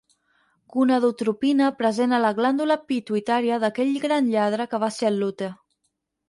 Gonadotropina present a la glàndula pituïtària d'aquell gran lladre que va ser el Lute.